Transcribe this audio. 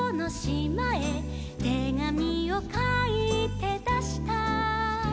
「てがみをかいてだした」